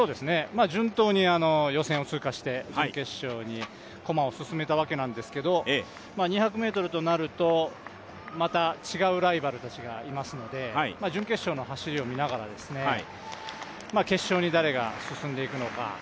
順当に予選を通過して準決勝に駒を進めたわけなんですけど２００ｍとなると、また違うライバルたちがいますので準決勝の走りを見ながら決勝に誰が進んでいくのか。